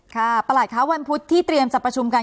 ก็อย่างขะประหลักเฮ้าวันพุธที่เตรียมสรรพชมกัน